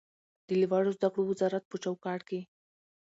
د لوړو زده کړو وزارت په چوکاټ کې